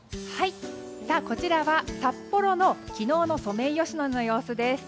こちらは札幌の昨日のソメイヨシノの様子です。